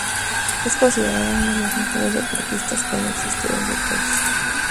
Es considerada una de las mejores deportistas que han existido en su país.